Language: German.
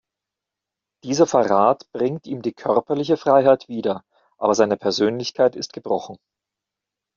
Dieser Verrat bringt ihm die körperliche Freiheit wieder, aber seine Persönlichkeit ist gebrochen.